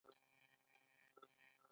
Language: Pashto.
د پاچاهۍ په هیله ډېر میدان ته راوتلي دي.